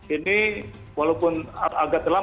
ini walaupun agak dalam